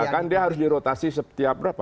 iya kan dia harus dirotasi setiap berapa